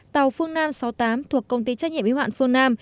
tàu phương nam sáu mươi tám thuộc công ty trách nhiệm yếu hoạn phương nam